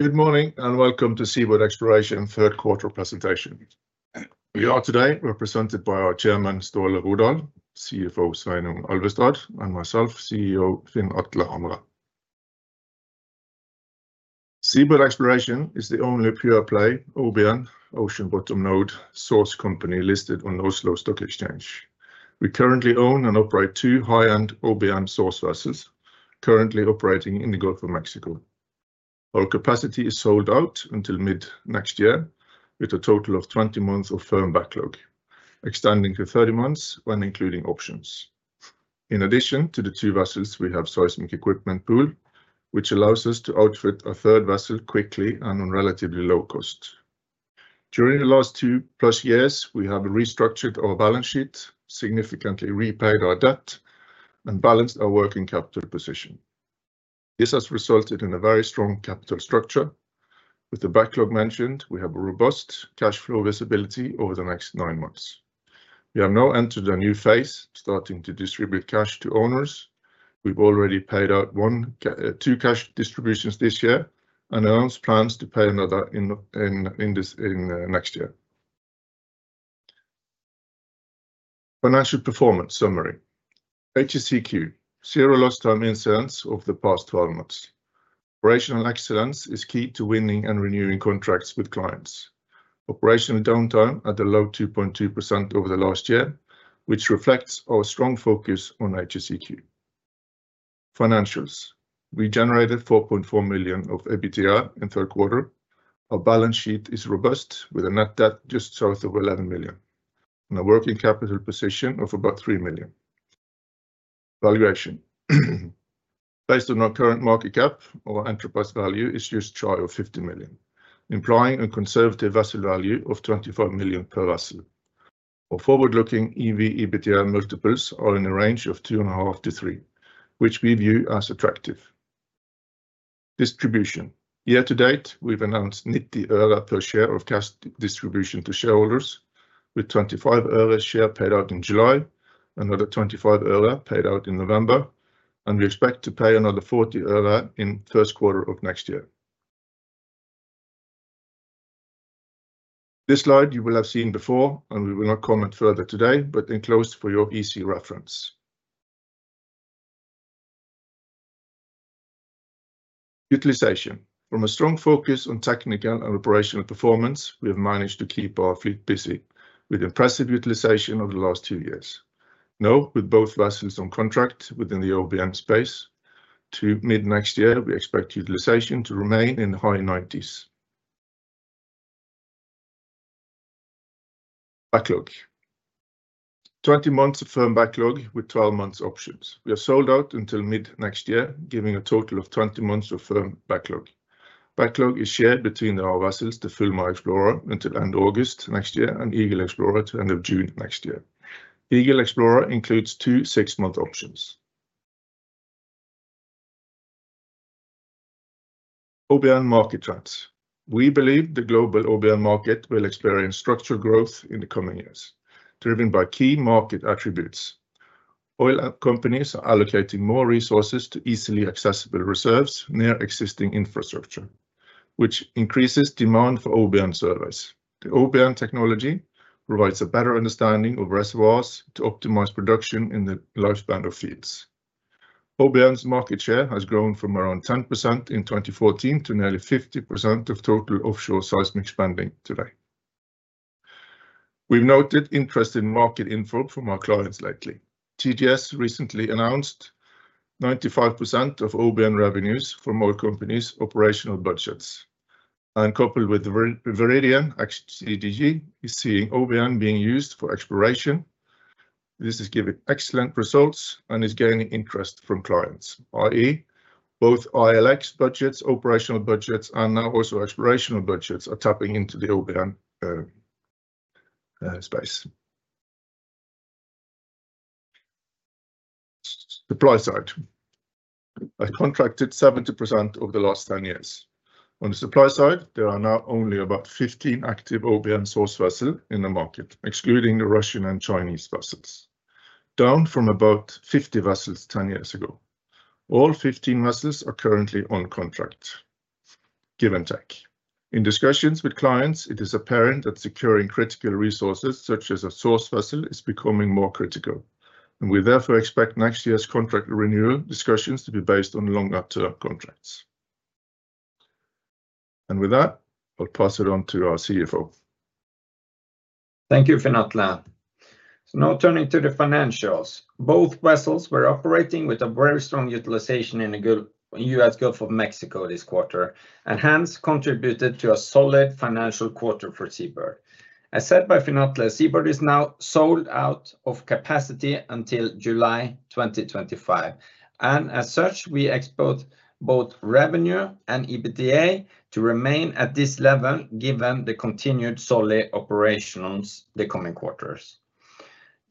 Good morning and welcome to SeaBird Exploration third quarter presentation. We are today represented by our Chairman, Ståle Rodahl, CFO Sveinung Alvestad, and myself, CEO Finn Atle Hamre. SeaBird Exploration is the only pure-play OBN (Ocean Bottom Node) source company listed on the Oslo Stock Exchange. We currently own and operate two high-end OBN source vessels currently operating in the Gulf of Mexico. Our capacity is sold out until mid-next year, with a total of 20 months of firm backlog, extending to 30 months when including options. In addition to the two vessels, we have a seismic equipment pool, which allows us to outfit a third vessel quickly and at a relatively low cost. During the last two-plus years, we have restructured our balance sheet, significantly repaid our debt, and balanced our working capital position. This has resulted in a very strong capital structure. With the backlog mentioned, we have a robust cash flow visibility over the next nine months. We have now entered a new phase, starting to distribute cash to owners. We've already paid out two cash distributions this year and announced plans to pay another in next year. Financial performance summary: HSEQ, zero lost-time incidents over the past 12 months. Operational excellence is key to winning and renewing contracts with clients. Operational downtime at a low 2.2% over the last year, which reflects our strong focus on HSEQ. Financials: We generated 4.4 million of EBITDA in the third quarter. Our balance sheet is robust, with a net debt just south of 11 million and a working capital position of about 3 million. Valuation: Based on our current market cap, our enterprise value is just shy of 50 million, implying a conservative vessel value of 25 million per vessel. Our forward-looking EV/EBITDA multiples are in the range of 2.5-3, which we view as attractive. Distribution: Year to date, we've announced 90 øre per share of cash distribution to shareholders, with 25 øre per share paid out in July, another 25 øre paid out in November, and we expect to pay another 40 øre in the first quarter of next year. This slide you will have seen before, and we will not comment further today, but enclosed for your easy reference. Utilization: From a strong focus on technical and operational performance, we have managed to keep our fleet busy with impressive utilization over the last two years. Now, with both vessels on contract within the OBN space, to mid-next year, we expect utilization to remain in the high 90s. Backlog: 20 months of firm backlog with 12 months options. We are sold out until mid-next year, giving a total of 20 months of firm backlog. Backlog is shared between our vessels, the Fulmar Explorer until end of August next year and Eagle Explorer until end of June next year. Eagle Explorer includes two six-month options. OBN market trends: We believe the global OBN market will experience structural growth in the coming years, driven by key market attributes. Oil companies are allocating more resources to easily accessible reserves near existing infrastructure, which increases demand for OBN service. The OBN technology provides a better understanding of reservoirs to optimize production in the lifespan of fields. OBN's market share has grown from around 10% in 2014 to nearly 50% of total offshore seismic spending today. We've noted interest in market info from our clients lately. TGS recently announced 95% of OBN revenues from oil companies' operational budgets. Coupled with the Viridien ex-CGG, we are seeing OBN being used for exploration. This is giving excellent results and is gaining interest from clients, i.e., both ILX budgets, operational budgets, and now also explorational budgets are tapping into the OBN space. Supply side: I contracted 70% over the last 10 years. On the supply side, there are now only about 15 active OBN source vessels in the market, excluding the Russian and Chinese vessels, down from about 50 vessels 10 years ago. All 15 vessels are currently on contract, give and take. In discussions with clients, it is apparent that securing critical resources such as a source vessel is becoming more critical, and we therefore expect next year's contract renewal discussions to be based on longer-term contracts. With that, I'll pass it on to our CFO. Thank you, Finn Atle. So now turning to the financials: Both vessels were operating with a very strong utilization in the U.S. Gulf of Mexico this quarter, and hence contributed to a solid financial quarter for SeaBird. As said by Finn Atle, SeaBird is now sold out of capacity until July 2025, and as such, we expect both revenue and EBITDA to remain at this level given the continued solid operations the coming quarters.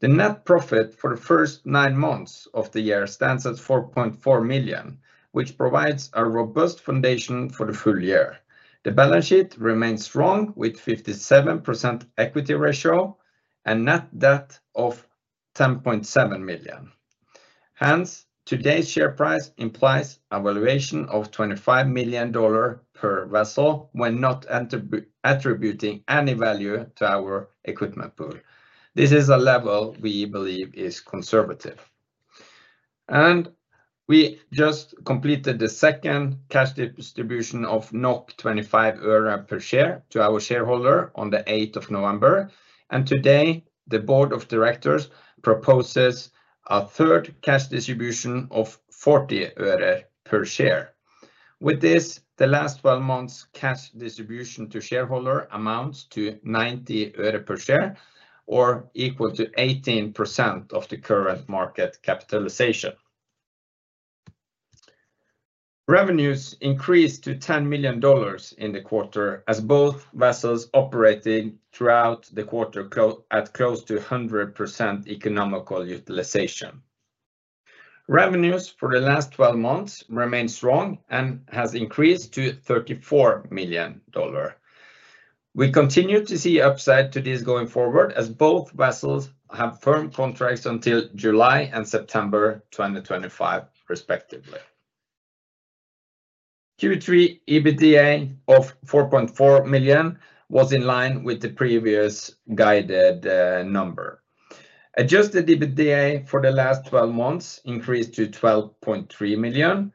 The net profit for the first nine months of the year stands at $4.4 million, which provides a robust foundation for the full year. The balance sheet remains strong with a 57% equity ratio and a net debt of $10.7 million. Hence, today's share price implies a valuation of $25 million per vessel when not attributing any value to our equipment pool. This is a level we believe is conservative. We just completed the second cash distribution of NOK 25 øre per share to our shareholder on the 8th of November, and today the board of directors proposes a third cash distribution of 40 øre per share. With this, the last 12 months' cash distribution to shareholders amounts to 90 øre per share, or equal to 18% of the current market capitalization. Revenues increased to $10 million in the quarter as both vessels operated throughout the quarter at close to 100% economical utilization. Revenues for the last 12 months remain strong and have increased to $34 million. We continue to see upside to this going forward as both vessels have firm contracts until July and September 2025, respectively. Q3 EBITDA of $4.4 million was in line with the previous guided number. Adjusted EBITDA for the last 12 months increased to $12.3 million.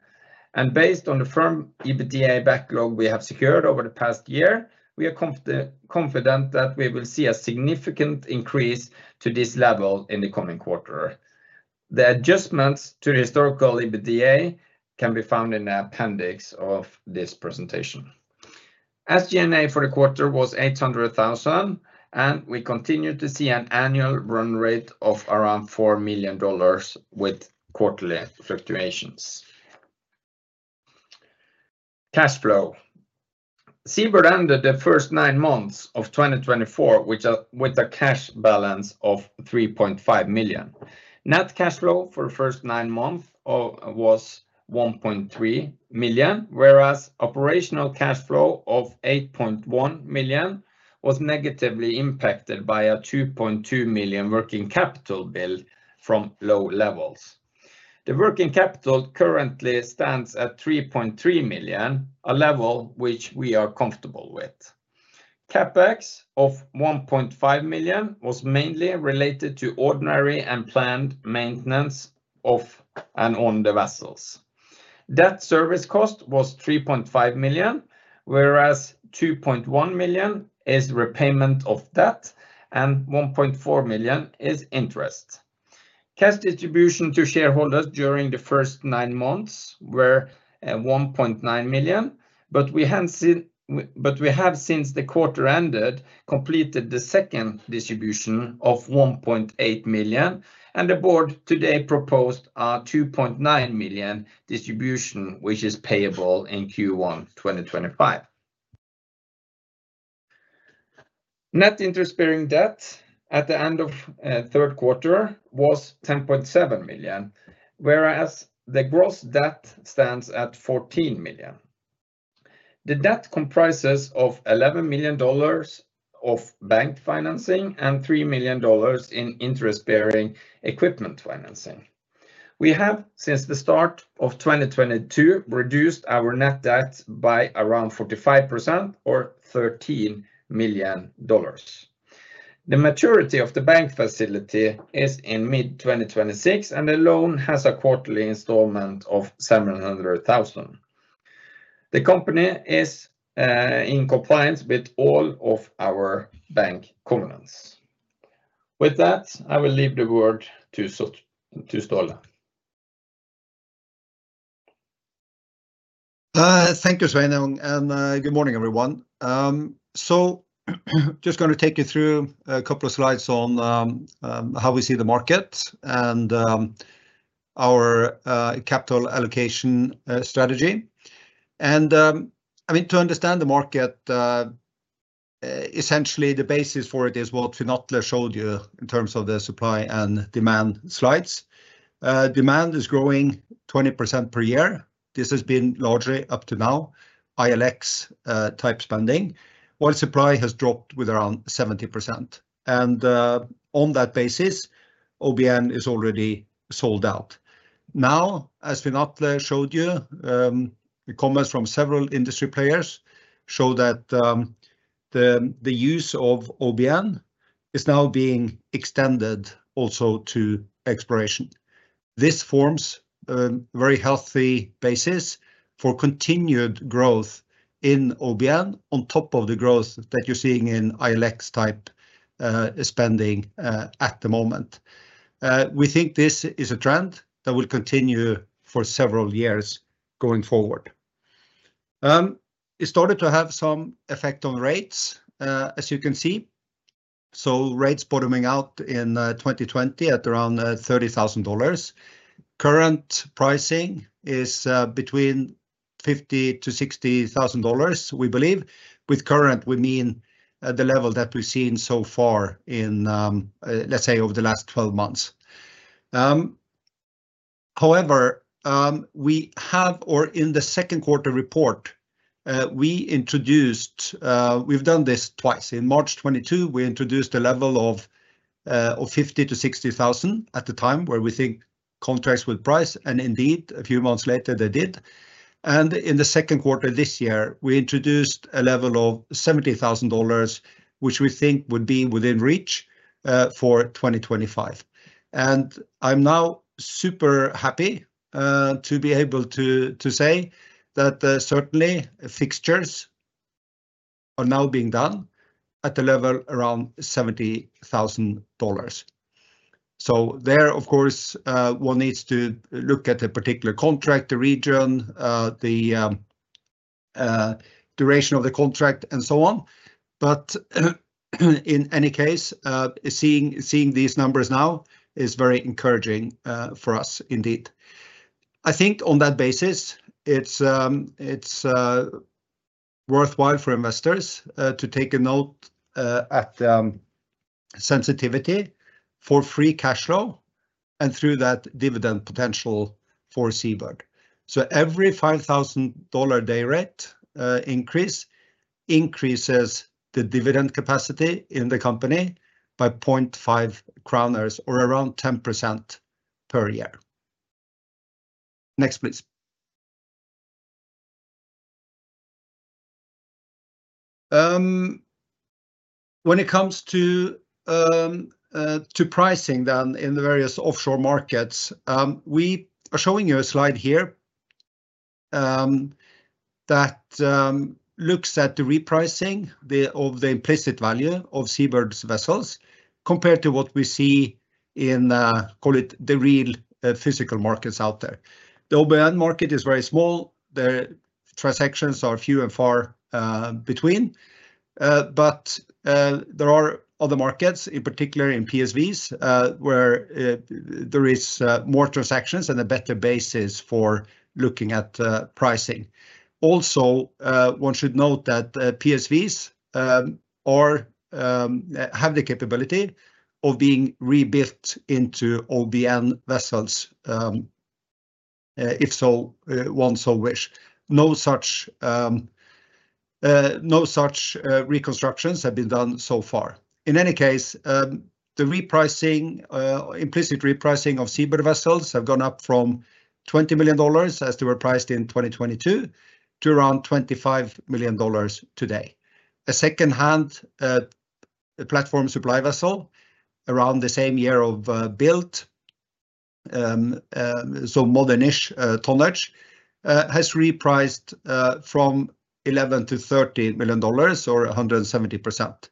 Based on the firm EBITDA backlog we have secured over the past year, we are confident that we will see a significant increase to this level in the coming quarter. The adjustments to the historical EBITDA can be found in the appendix of this presentation. SG&A for the quarter was $800,000, and we continue to see an annual run rate of around $4 million with quarterly fluctuations. Cash flow: SeaBird ended the first nine months of 2024 with a cash balance of $3.5 million. Net cash flow for the first nine months was $1.3 million, whereas operational cash flow of $8.1 million was negatively impacted by a $2.2 million working capital bill from low levels. The working capital currently stands at $3.3 million, a level which we are comfortable with. CapEx of $1.5 million was mainly related to ordinary and planned maintenance of and on the vessels. Debt service cost was $3.5 million, whereas $2.1 million is repayment of debt and $1.4 million is interest. Cash distribution to shareholders during the first nine months was $1.9 million, but we have since the quarter ended completed the second distribution of $1.8 million, and the board today proposed a $2.9 million distribution, which is payable in Q1 2025. Net interest-bearing debt at the end of the third quarter was $10.7 million, whereas the gross debt stands at $14 million. The debt comprises of $11 million of bank financing and $3 million in interest-bearing equipment financing. We have, since the start of 2022, reduced our net debt by around 45%, or $13 million. The maturity of the bank facility is in mid-2026, and the loan has a quarterly installment of $700,000. The company is in compliance with all of our bank covenants. With that, I will leave the word to Ståle. Thank you, Sveinung, and good morning, everyone. So I'm just going to take you through a couple of slides on how we see the market and our capital allocation strategy. And I mean, to understand the market, essentially the basis for it is what Finn Atle showed you in terms of the supply and demand slides. Demand is growing 20% per year. This has been largely up to now ILX-type spending, while supply has dropped with around 70%. And on that basis, OBN is already sold out. Now, as Finn Atle showed you, the comments from several industry players show that the use of OBN is now being extended also to exploration. This forms a very healthy basis for continued growth in OBN on top of the growth that you're seeing in ILX-type spending at the moment. We think this is a trend that will continue for several years going forward. It started to have some effect on rates, as you can see. So rates bottoming out in 2020 at around $30,000. Current pricing is between $50,000-$60,000, we believe. With current, we mean the level that we've seen so far in, let's say, over the last 12 months. However, we have, or in the second quarter report, we introduced, we've done this twice. In March 2022, we introduced a level of $50,000-$60,000 at the time where we think contracts would price, and indeed, a few months later, they did. And in the second quarter this year, we introduced a level of $70,000, which we think would be within reach for 2025. And I'm now super happy to be able to say that certainly fixtures are now being done at a level around $70,000. So there, of course, one needs to look at the particular contract, the region, the duration of the contract, and so on. But in any case, seeing these numbers now is very encouraging for us, indeed. I think on that basis, it's worthwhile for investors to take a note at sensitivity for free cash flow and through that dividend potential for SeaBird. So every $5,000 day rate increase increases the dividend capacity in the company by 0.5 crowns, or around 10% per year. Next, please. When it comes to pricing then in the various offshore markets, we are showing you a slide here that looks at the repricing of the implicit value of SeaBird's vessels compared to what we see in, call it, the real physical markets out there. The OBN market is very small. The transactions are few and far between. But there are other markets, in particular in PSVs, where there are more transactions and a better basis for looking at pricing. Also, one should note that PSVs have the capability of being rebuilt into OBN vessels if one so wishes. No such reconstructions have been done so far. In any case, the implicit repricing of SeaBird vessels has gone up from $20 million as they were priced in 2022 to around $25 million today. A second-hand platform supply vessel around the same year of built, so modern-ish tonnage, has repriced from $11 million to $30 million, or 170%.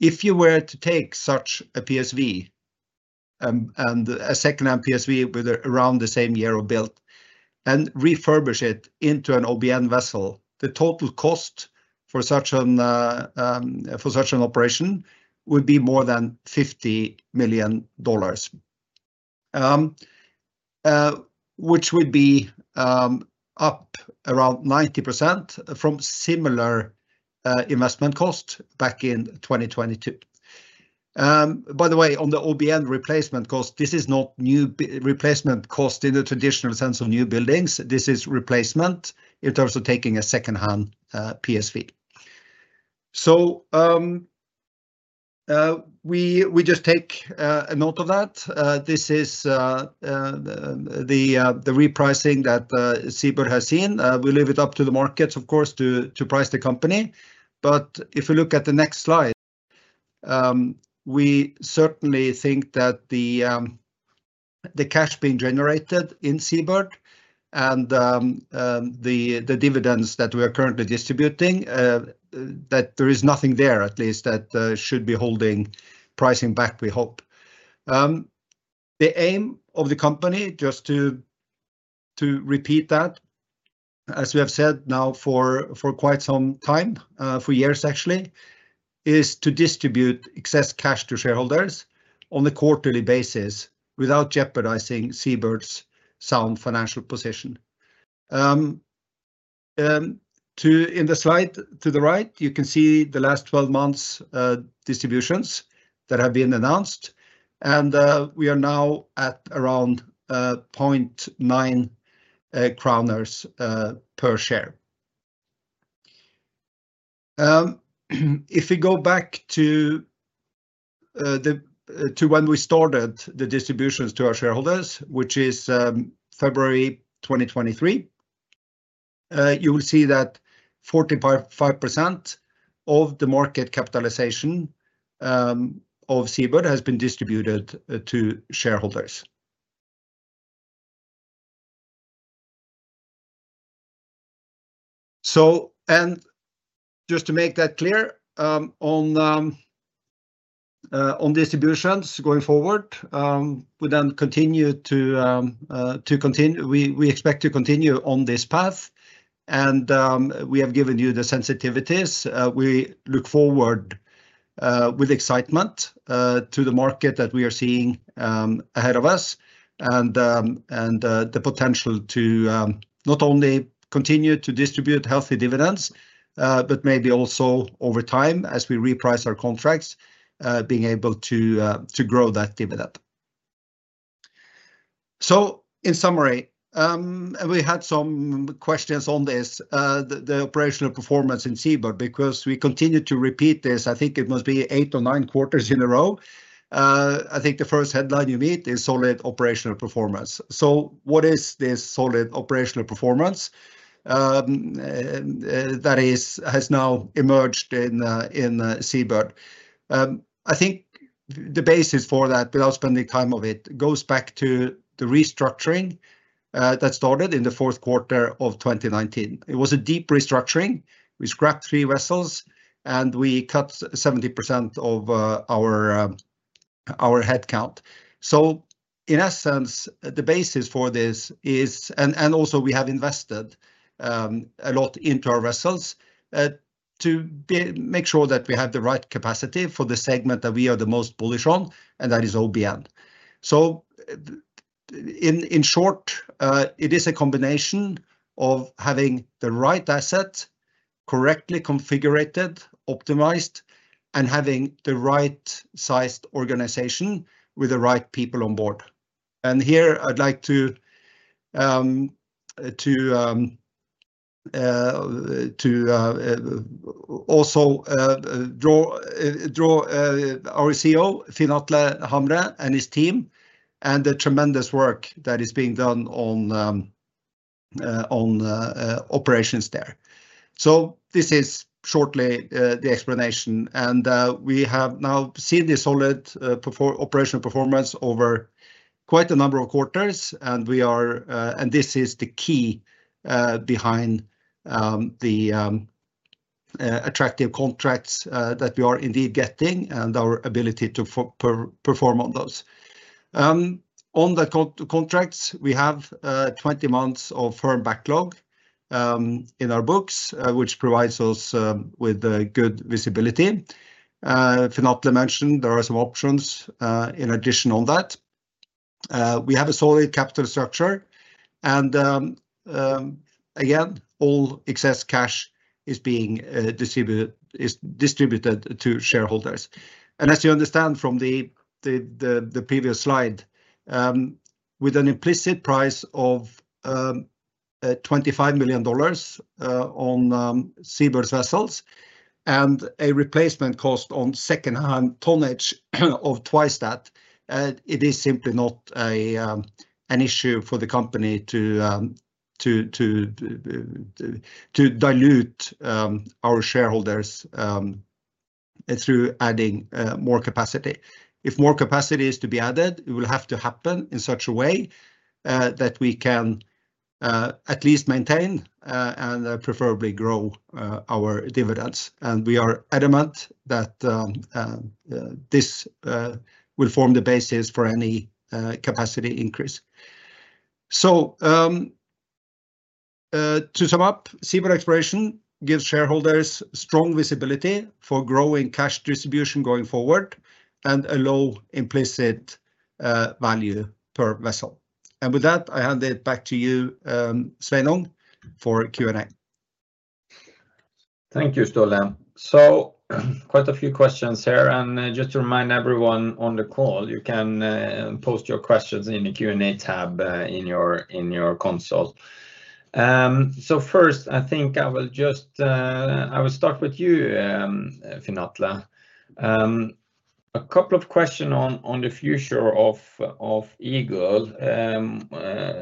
If you were to take such a PSV and a second-hand PSV with around the same year of build and refurbish it into an OBN vessel, the total cost for such an operation would be more than $50 million, which would be up around 90% from similar investment cost back in 2022. By the way, on the OBN replacement cost, this is not new replacement cost in the traditional sense of new buildings. This is replacement in terms of taking a second-hand PSV. So we just take a note of that. This is the repricing that SeaBird has seen. We leave it up to the markets, of course, to price the company. But if we look at the next slide, we certainly think that the cash being generated in SeaBird and the dividends that we are currently distributing, that there is nothing there, at least, that should be holding pricing back, we hope. The aim of the company, just to repeat that, as we have said now for quite some time, for years actually, is to distribute excess cash to shareholders on a quarterly basis without jeopardizing SeaBird's sound financial position. In the slide to the right, you can see the last 12 months' distributions that have been announced, and we are now at around 0.9 per share. If we go back to when we started the distributions to our shareholders, which is February 2023, you will see that 45% of the market capitalization of SeaBird has been distributed to shareholders. And just to make that clear, on distributions going forward, we then continue to—we expect to continue on this path, and we have given you the sensitivities. We look forward with excitement to the market that we are seeing ahead of us and the potential to not only continue to distribute healthy dividends, but maybe also over time, as we reprice our contracts, being able to grow that dividend. So in summary, we had some questions on this, the operational performance in SeaBird, because we continue to repeat this. I think it must be eight or nine quarters in a row. I think the first headline you meet is solid operational performance. So what is this solid operational performance that has now emerged in SeaBird? I think the basis for that, without spending time on it, goes back to the restructuring that started in the fourth quarter of 2019. It was a deep restructuring. We scrapped three vessels, and we cut 70% of our head count, so in essence, the basis for this is, and also we have invested a lot into our vessels to make sure that we have the right capacity for the segment that we are the most bullish on, and that is OBN, so in short, it is a combination of having the right asset correctly configured, optimized, and having the right-sized organization with the right people on board, and here I'd like to also draw our CEO, Finn Atle Hamre, and his team, and the tremendous work that is being done on operations there, so this is shortly the explanation. We have now seen this solid operational performance over quite a number of quarters, and this is the key behind the attractive contracts that we are indeed getting and our ability to perform on those. On the contracts, we have 20 months of firm backlog in our books, which provides us with good visibility. Finn Atle mentioned there are some options in addition on that. We have a solid capital structure, and again, all excess cash is distributed to shareholders. As you understand from the previous slide, with an implicit price of $25 million on SeaBird's vessels and a replacement cost on second-hand tonnage of twice that, it is simply not an issue for the company to dilute our shareholders through adding more capacity. If more capacity is to be added, it will have to happen in such a way that we can at least maintain and preferably grow our dividends. And we are adamant that this will form the basis for any capacity increase. So to sum up, SeaBird Exploration gives shareholders strong visibility for growing cash distribution going forward and a low implicit value per vessel. And with that, I hand it back to you, Sveinung, for Q&A. Thank you, Ståle. So quite a few questions here. And just to remind everyone on the call, you can post your questions in the Q&A tab in your console. So first, I think I will just start with you, Finn Atle. A couple of questions on the future of Eagle,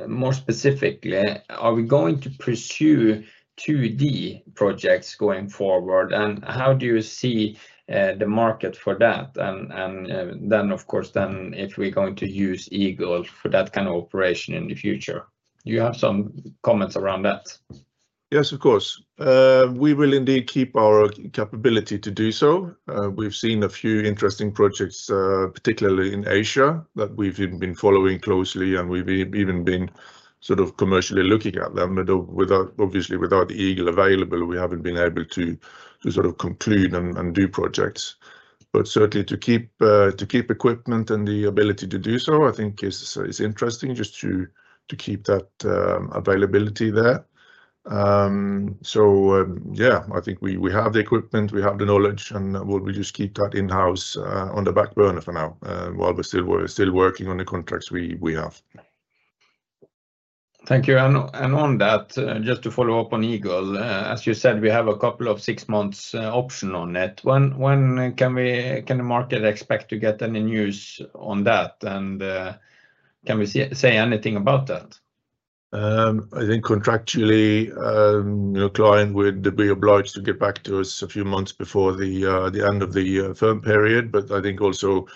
more specifically. Are we going to pursue 2D projects going forward? And how do you see the market for that? And then, of course, if we're going to use Eagle for that kind of operation in the future. Do you have some comments around that? Yes, of course. We will indeed keep our capability to do so. We've seen a few interesting projects, particularly in Asia, that we've been following closely, and we've even been sort of commercially looking at them. Obviously, without Eagle available, we haven't been able to sort of conclude and do projects. But certainly, to keep equipment and the ability to do so, I think is interesting just to keep that availability there. So yeah, I think we have the equipment, we have the knowledge, and we'll just keep that in-house on the back burner for now while we're still working on the contracts we have. Thank you. And on that, just to follow up on Eagle, as you said, we have a couple of six-month options on it. When can the market expect to get any news on that? And can we say anything about that? I think contractually, your client would be obliged to get back to us a few months before the end of the firm period. But I think also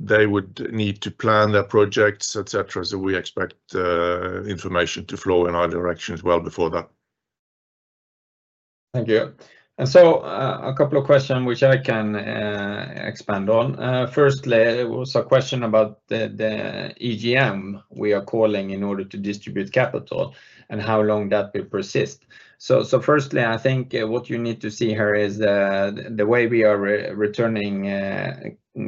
they would need to plan their projects, etc. So we expect information to flow in our direction as well before that. Thank you. And so a couple of questions which I can expand on. Firstly, it was a question about the EGM we are calling in order to distribute capital and how long that will persist. So firstly, I think what you need to see here is the way we are returning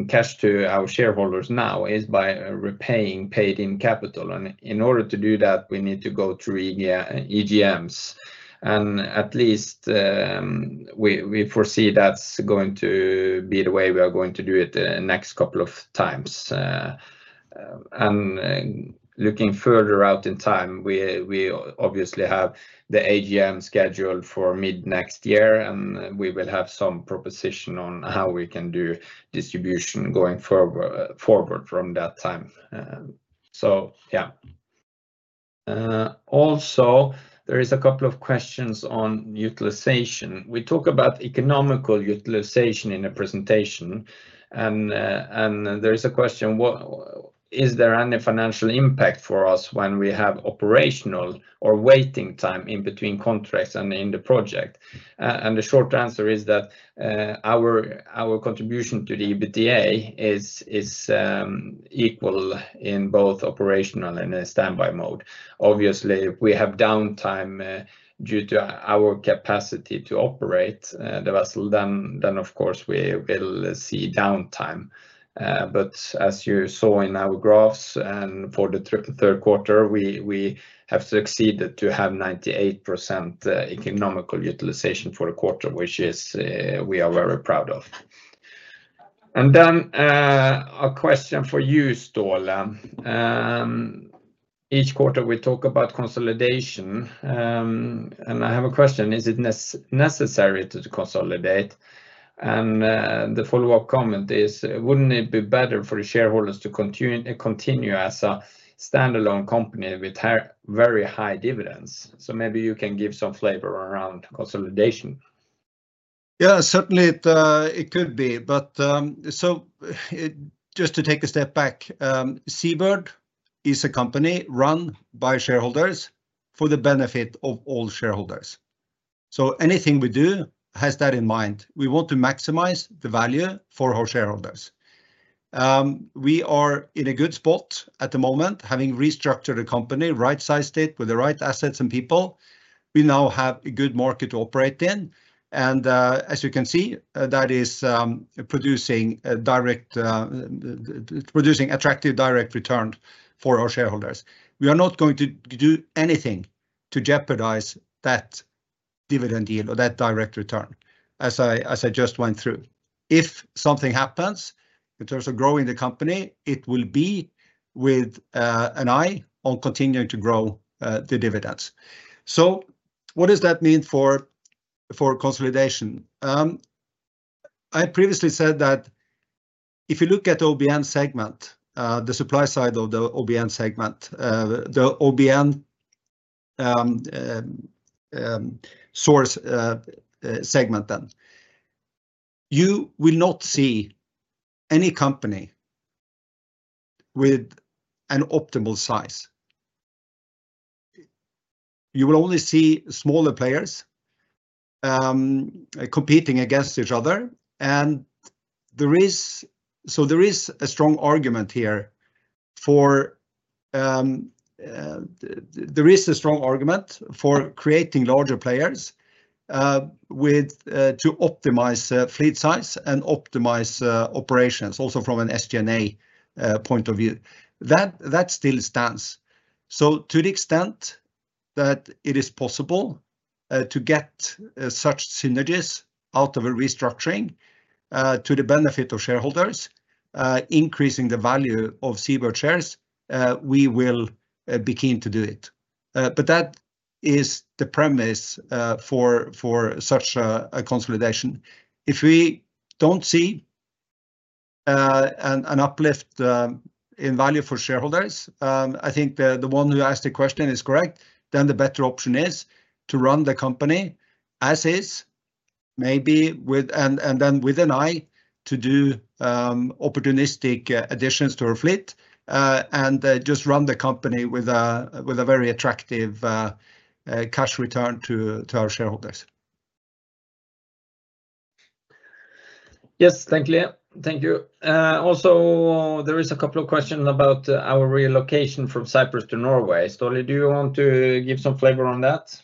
cash to our shareholders now is by repaying paid-in capital. And in order to do that, we need to go through EGMs. And at least we foresee that's going to be the way we are going to do it the next couple of times. And looking further out in time, we obviously have the EGM scheduled for mid-next year, and we will have some proposition on how we can do distribution going forward from that time. So yeah. Also, there is a couple of questions on utilization. We talk about economical utilization in the presentation. There is a question: is there any financial impact for us when we have operational or waiting time in between contracts and in the project? The short answer is that our contribution to the EBITDA is equal in both operational and standby mode. Obviously, if we have downtime due to our capacity to operate the vessel, then of course we will see downtime. But as you saw in our graphs for the third quarter, we have succeeded to have 98% economical utilization for the quarter, which we are very proud of. Then a question for you, Ståle. Each quarter we talk about consolidation. I have a question: is it necessary to consolidate? The follow-up comment is, wouldn't it be better for shareholders to continue as a standalone company with very high dividends? So maybe you can give some flavor around consolidation. Yeah, certainly it could be. But so just to take a step back, SeaBird is a company run by shareholders for the benefit of all shareholders. So anything we do has that in mind. We want to maximize the value for our shareholders. We are in a good spot at the moment, having restructured the company, right-sized it with the right assets and people. We now have a good market to operate in. And as you can see, that is producing attractive direct returns for our shareholders. We are not going to do anything to jeopardize that dividend yield or that direct return, as I just went through. If something happens in terms of growing the company, it will be with an eye on continuing to grow the dividends. So what does that mean for consolidation? I previously said that if you look at the OBN segment, the supply side of the OBN segment, the OBN source segment, then you will not see any company with an optimal size. You will only see smaller players competing against each other. And so there is a strong argument here. There is a strong argument for creating larger players to optimize fleet size and optimize operations, also from an SG&A point of view. That still stands. So to the extent that it is possible to get such synergies out of a restructuring to the benefit of shareholders, increasing the value of SeaBird shares, we will be keen to do it. But that is the premise for such a consolidation. If we don't see an uplift in value for shareholders, I think the one who asked the question is correct, then the better option is to run the company as is, maybe with an eye to do opportunistic additions to our fleet and just run the company with a very attractive cash return to our shareholders. Yes, thank you. Also, there is a couple of questions about our relocation from Cyprus to Norway. Ståle, do you want to give some flavor on that?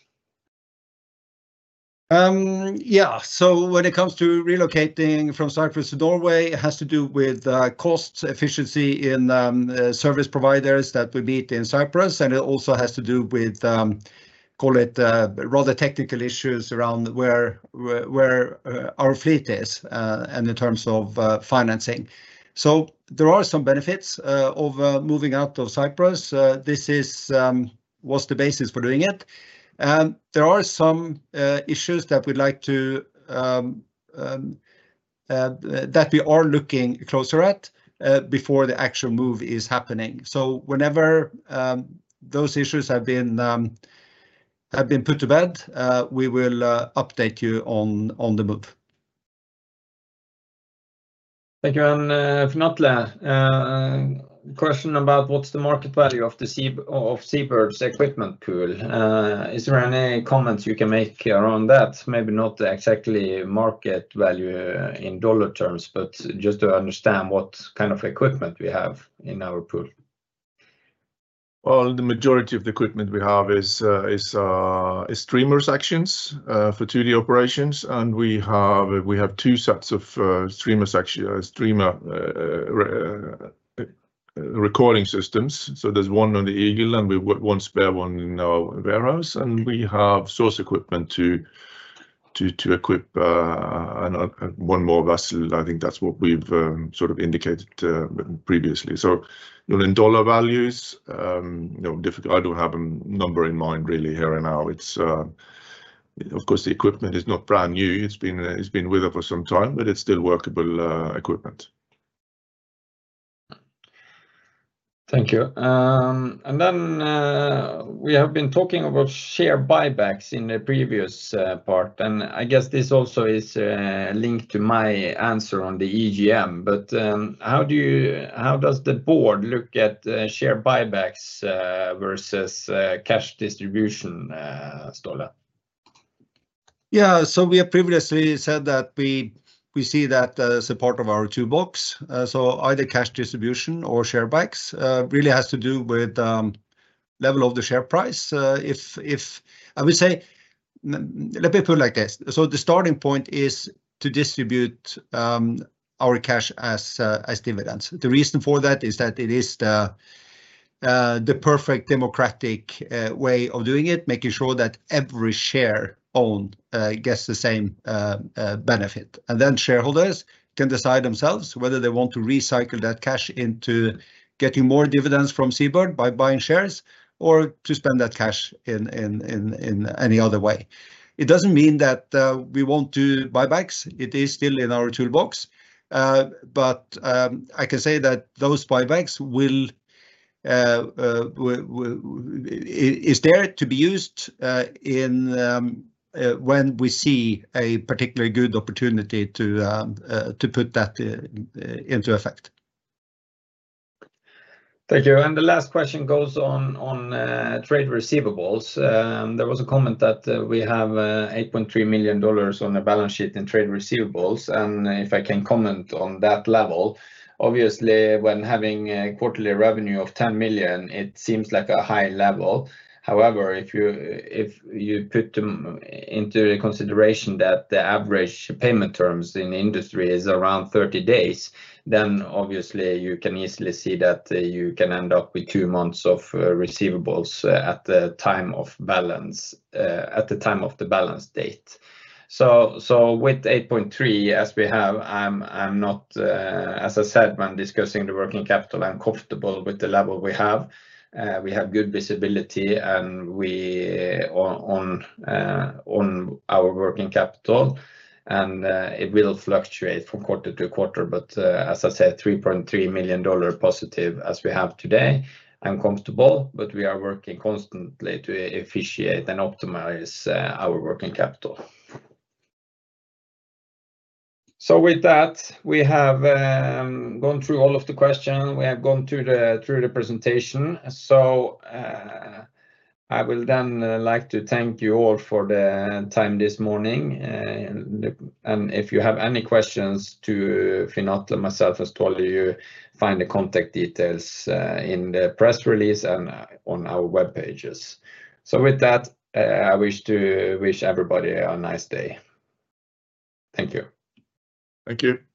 Yeah. So when it comes to relocating from Cyprus to Norway, it has to do with cost efficiency in service providers that we meet in Cyprus. And it also has to do with, call it, rather technical issues around where our fleet is and in terms of financing. So there are some benefits of moving out of Cyprus. This was the basis for doing it. There are some issues that we are looking closer at before the actual move is happening. So whenever those issues have been put to bed, we will update you on the move. Thank you. Finn Atle, question about what's the market value of SeaBird's equipment pool? Is there any comments you can make around that? Maybe not exactly market value in dollar terms, but just to understand what kind of equipment we have in our pool. The majority of the equipment we have is streamer sections for 2D operations. We have two sets of streamer recording systems. There's one on the Eagle and one spare one in our warehouse. We have source equipment to equip one more vessel. I think that's what we've sort of indicated previously. In dollar values, I don't have a number in mind really here and now. Of course, the equipment is not brand new. It's been with us for some time, but it's still workable equipment. Thank you. And then we have been talking about share buybacks in the previous part. And I guess this also is linked to my answer on the EGM. But how does the board look at share buybacks versus cash distribution, Ståle? Yeah. So we have previously said that we see that as a part of our toolbox. So either cash distribution or share buybacks really has to do with the level of the share price. I would say, let me put it like this. So the starting point is to distribute our cash as dividends. The reason for that is that it is the perfect democratic way of doing it, making sure that every share owner gets the same benefit. And then shareholders can decide themselves whether they want to recycle that cash into getting more dividends from SeaBird by buying shares or to spend that cash in any other way. It doesn't mean that we want to buybacks. It is still in our toolbox. But I can say that those buybacks will be there to be used when we see a particular good opportunity to put that into effect. Thank you, and the last question goes on trade receivables. There was a comment that we have $8.3 million on the balance sheet in trade receivables, and if I can comment on that level, obviously, when having a quarterly revenue of $10 million, it seems like a high level. However, if you put into consideration that the average payment terms in the industry is around 30 days, then obviously you can easily see that you can end up with two months of receivables at the time of balance, at the time of the balance date. So with 8.3, as we have, I'm not, as I said, when discussing the working capital, I'm comfortable with the level we have. We have good visibility on our working capital, and it will fluctuate from quarter to quarter. But as I said, $3.3 million positive as we have today. I'm comfortable, but we are working constantly to efficiently and optimize our working capital, so with that, we have gone through all of the questions. We have gone through the presentation, so I would then like to thank you all for the time this morning, and if you have any questions to Finn Atle, myself, as Ståle, you find the contact details in the press release and on our web pages, so with that, I wish everybody a nice day. Thank you. Thank you.